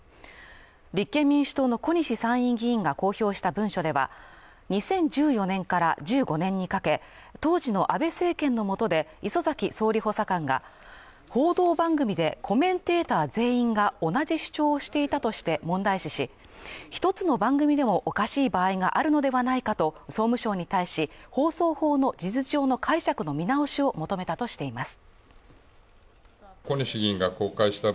立憲民主党の小西参院議員が公表した文書では２０１４年から１５年にかけ当時の安倍政権のもとで、礒崎総理補佐官が報道番組でコメンテーター全員が同じ主張をしていたとして問題視し、一つの番組でもおかしい場合があるのではないかと、総務省に対し放送法の事実上の解釈の見直しを求めたとしています。